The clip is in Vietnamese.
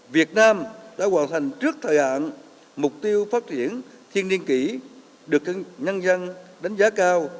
việt nam đã hoàn thành trước thời hạn mục tiêu phát triển thiên niên kỷ được nhân dân đánh giá cao